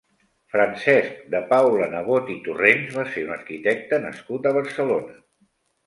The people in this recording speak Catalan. Francesc de Paula Nebot i Torrens va ser un arquitecte nascut a Barcelona.